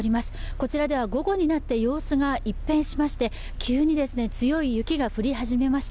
こちらでは午後になって様子が一変しまして急に強い雪が降り始めました。